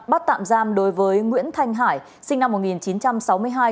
bắt tạm giam đối với nguyễn thanh hải sinh năm một nghìn chín trăm sáu mươi hai